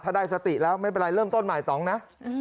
ถ้าได้สติแล้วไม่เป็นไรเริ่มต้นใหม่ต้องนะ